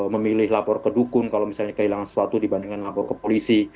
memilih lapor ke dukun kalau misalnya kehilangan sesuatu dibandingkan lapor ke polisi